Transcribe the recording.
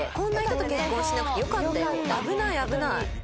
危ない危ない。